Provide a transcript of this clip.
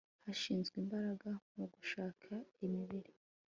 hashyizwe imbaraga mu gushaka imibiri